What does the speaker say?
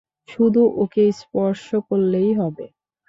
শুধু ওকে স্পর্শ করলেই হবে।